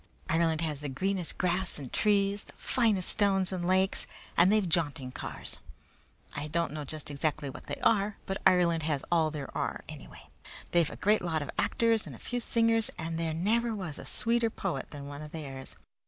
Ireland has the greenest grass and trees, the finest stones and lakes, and they've jaunting cars. I don't know just exactly what they are, but Ireland has all there are, anyway. They've a lot of great actors, and a few singers, and there never was a sweeter poet than one of theirs.